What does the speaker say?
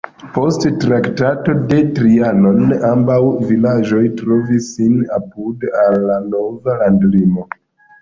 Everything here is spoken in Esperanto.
Post Traktato de Trianon ambaŭ vilaĝoj trovis sin apud al la nova landlimo.